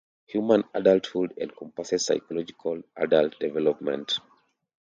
Human adulthood encompasses psychological adult development.